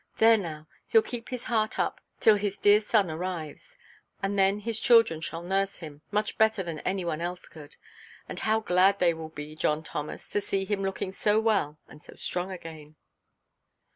There now, heʼll keep his heart up until his dear son arrives. And then his children shall nurse him, much better than any one else could; and how glad they will be, John Thomas, to see him looking so well and so strong again!"